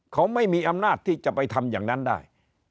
เขาไม่มีอำนาจที่จะไปทำอย่างนั้นได้